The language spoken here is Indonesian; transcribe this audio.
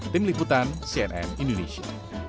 tim liputan cnn indonesia